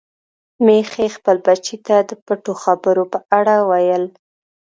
ميښې خپل بچي ته د پټو خبرو په اړه ویل.